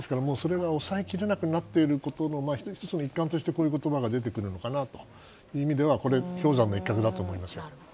抑えきれなくなっていることの１つの一環としてこういう言葉が出たのかなという意味ではこれは氷山の一角だと思いますよ。